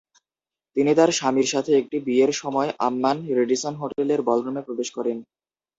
তিনি তার স্বামীর সাথে একটি বিয়ের সময় আম্মান রেডিসন হোটেলের বলরুমে প্রবেশ করেন।